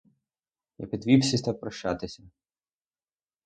Я підвівся і став прощатися.